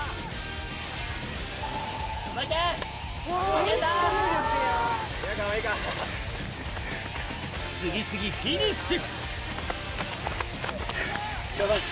その頃次々フィニッシュ！